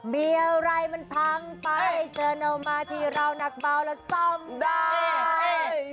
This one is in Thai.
มีอะไรมันพังไปเชิญเอามาที่เรานักเบาแล้วซ่อมได้